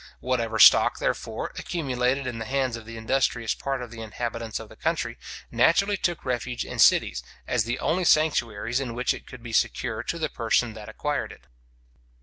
Whatever stock, therefore, accumulated in the hands of the industrious part of the inhabitants of the country, naturally took refuge in cities, as the only sanctuaries in which it could be secure to the person that acquired it.